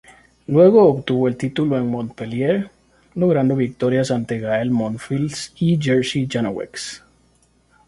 Luego obtuvo el título en Montpellier, logrando victorias ante Gael Monfils y Jerzy Janowicz.